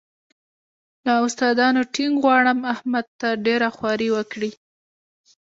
له استادانو ټینګ غواړم احمد ته ډېره خواري وکړي.